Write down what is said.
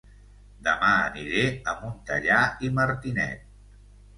Dema aniré a Montellà i Martinet